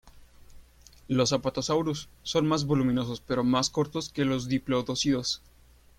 Los apatosaurus son más voluminosos pero más cortos que los diplodócidos.